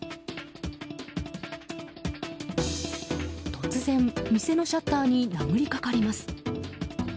突然、店のシャッターに殴りかかります。